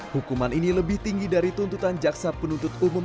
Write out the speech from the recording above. hukuman ini lebih tinggi dari tuntutan jaksa penuntut umum